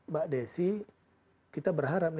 mbak desi kita berharap